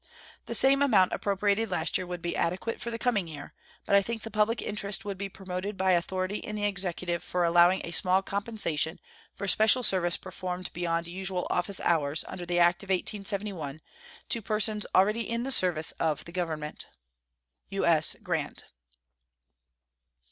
The same amount appropriated last year would be adequate for the coming year, but I think the public interest would be promoted by authority in the Executive for allowing a small compensation for special service performed beyond usual office hours, under the act of 1871, to persons already in the service of the Government. U.S. GRANT.